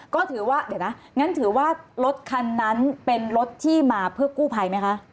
ก็ถือว่าเดี๋ยวนะงั้นถือว่ารถคันนั้นเป็นรถที่มาเพื่อกู้ภัยไหมคะ